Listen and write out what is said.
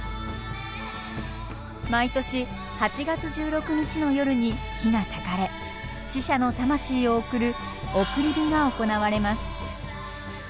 毎年８月１６日の夜に火がたかれ死者の魂を送る送り火が行われます。